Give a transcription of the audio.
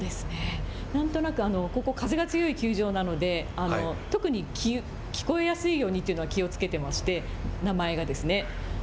何となくここ、風が強い球場なので特に聞こえやすいようにというのは気をつけてまして名前がですね。